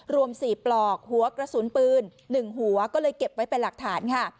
รวม๔ปลอกหัวกระสุนปืน๑หัวก็เลยเก็บไว้เป็นหลักฐานค่ะ